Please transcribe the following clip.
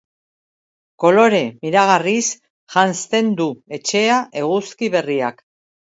Kolore miragarriz janzten du etxea eguzki berriak.